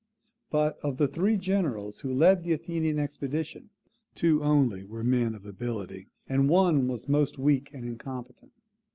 But, of the three generals who led the Athenian expedition, two only were men of ability, and one was most weak and incompetent.